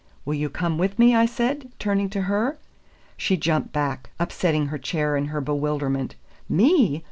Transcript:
"Will you come with me?" I said, turning to her. She jumped back, upsetting her chair in her bewilderment. "Me!"